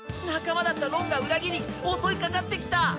仲間だったロンが裏切り襲いかかってきた！